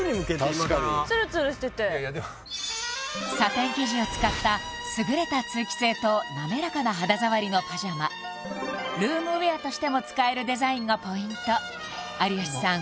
確かにツルツルしててサテン生地を使った優れた通気性となめらかな肌触りのパジャマルームウエアとしても使えるデザインがポイント有吉さん